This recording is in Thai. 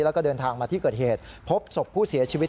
แล้วก็เดินทางมาที่เกิดเหตุพบศพผู้เสียชีวิต